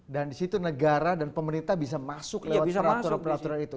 di situ negara dan pemerintah bisa masuk lewat peraturan peraturan itu